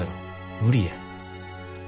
無理や。